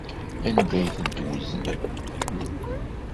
Anda ay ten-tweznem?